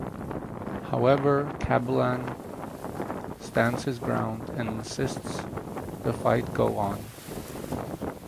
However Kabilan stands his ground and insists the fight go on.